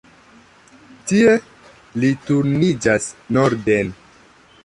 Tie li turniĝas norden.